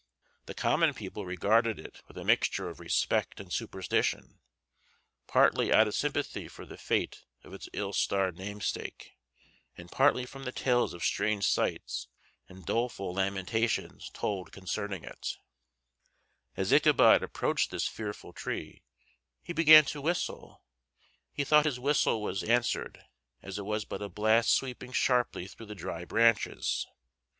The common people regarded it with a mixture of respect and superstition, partly out of sympathy for the fate of its ill starred namesake, and partly from the tales of strange sights and doleful lamentations told concerning it. As Ichabod approached this fearful tree he began to whistle: he thought his whistle was answered; it was but a blast sweeping sharply through the dry branches.